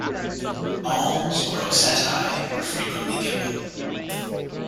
Alms or "osettai" are frequently given.